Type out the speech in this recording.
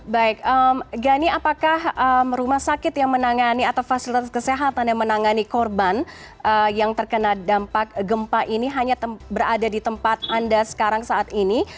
baik gani apakah rumah sakit yang menangani atau fasilitas kesehatan yang menangani korban yang terkena dampak gempa ini hanya berada di tempat anda sekarang saat ini